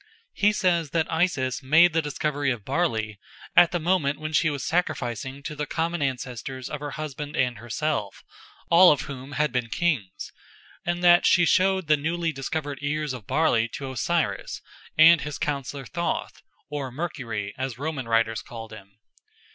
He says that Isis made the discovery of barley at the moment when she was sacrificing to the common ancestors of her husband and herself, all of whom had been kings, and that she showed the newly discovered ears of barley to Osiris and his councillor Thoth or Mercury, as Roman writers called him.